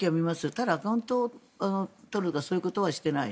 ただ、アカウントを取るとかそういうことはしていない。